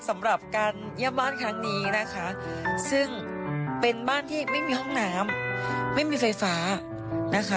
สำหรับการเยี่ยมบ้านครั้งนี้นะคะซึ่งเป็นบ้านที่ไม่มีห้องน้ำไม่มีไฟฟ้านะคะ